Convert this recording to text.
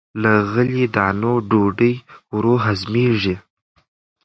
له غلې- دانو ډوډۍ ورو هضمېږي.